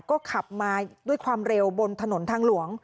ก็ขับมาด้วยความเร็วบนถนนทางหลวง